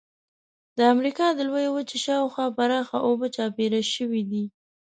د امریکا د لویې وچې شاو خوا پراخه اوبه چاپېره شوې دي.